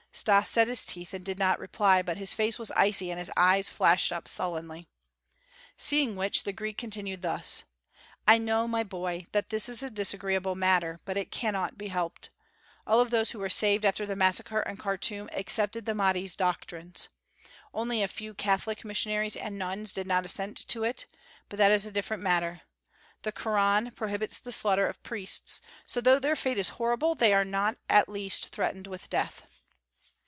Stas set his teeth and did not reply, but his face was icy and his eyes flashed up sullenly. Seeing which the Greek continued thus: "I know, my boy, that this is a disagreeable matter, but it cannot be helped. All of those who were saved after the massacre in Khartûm accepted the Mahdi's doctrines. Only a few Catholic missionaries and nuns did not assent to it, but that is a different matter. The Koran prohibits the slaughter of priests, so though their fate is horrible, they are not at least threatened with death.